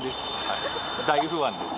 不安です。